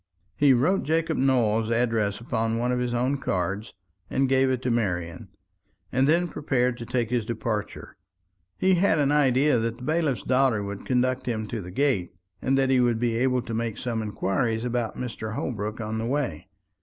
He wrote Jacob Nowell's address upon one of his own cards, and gave it to Marian; and then prepared to take his departure. He had an idea that the bailiff's daughter would conduct him to the gate, and that he would be able to make some inquiries about Mr. Holbrook on his way.